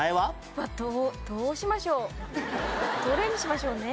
うわっどうしましょう？どれにしましょうね。